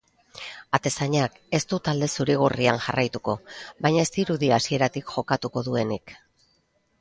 Atezainak ez du talde zuri-gorrian jarraituko, baina ez dirudi hasieratik jokatuko duenik.